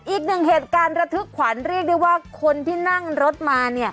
อีกหนึ่งเหตุการณ์ระทึกขวัญเรียกได้ว่าคนที่นั่งรถมา